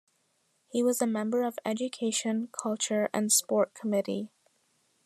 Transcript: He was a member of Education, Culture and Sport Committee.